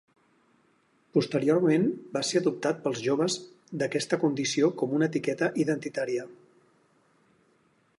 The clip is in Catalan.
Posteriorment va ser adoptat pels joves d'aquesta condició com una etiqueta identitària.